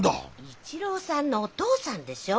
一朗さんのお父さんでしょ。